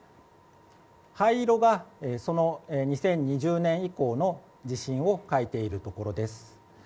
灰色が、その２０２０年以降の地震を書いているところです。